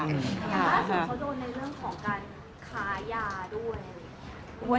แล้วสิ่งเขาโดนในเรื่องของการขายยาด้วย